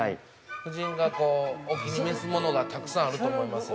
◆夫人がお気に召すものがたくさんあると思いますよ。